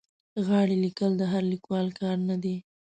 غاړې لیکل د هر لیکوال کار نه دی.